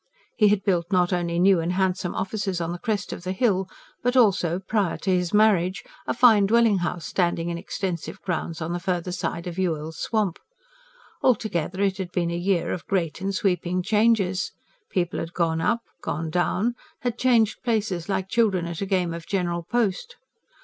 He had built not only new and handsome offices on the crest of the hill, but also, prior to his marriage, a fine dwelling house standing in extensive grounds on the farther side of Yuille's Swamp. Altogether it had been a year of great and sweeping changes. People had gone up, gone down had changed places like children at a game of General Post.